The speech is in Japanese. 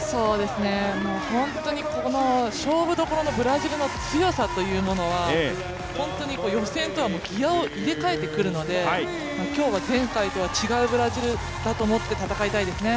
本当に勝負どころのブラジルの強さというものは本当に予選とはギヤを入れ替えてくるので今日は前回とは違うブラジルだと思って戦いたいですね。